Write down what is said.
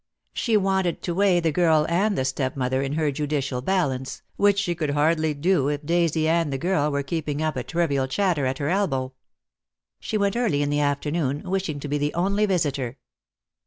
She wanted to weigh the girl and the stepmother in her judicial balance, which she could hardly do if Daisy and the girl were keeping up a trivial chatter at her elbow. She went early in the afternoon, wishing to be the only visitor.